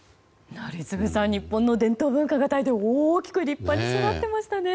宜嗣さん日本の伝統文化がタイで大きく立派に育っていましたね。